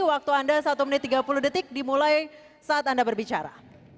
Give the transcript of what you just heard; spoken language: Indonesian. waktu anda satu menit tiga puluh detik dimulai saat anda berbicara